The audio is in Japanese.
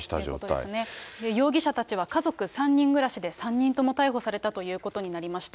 容疑者たちは家族３人暮らしで３人とも逮捕されたということになりました。